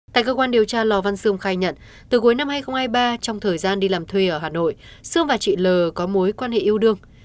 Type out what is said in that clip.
tại cơ quan điều tra lò văn xương khai nhận từ cuối năm hai nghìn hai mươi ba trong thời gian đi làm thuê ở hà nội sương và chị l có mối quan hệ yêu đương